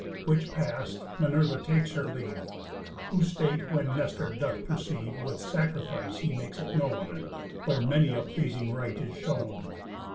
Which past, Minerva takes her leave. Whose state when Nestor doth perceive, With sacrifice he makes it known, Where many a pleasing rite is shown.